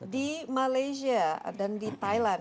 di malaysia dan di thailand